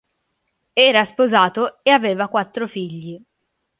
Era sposato e aveva quattro figli.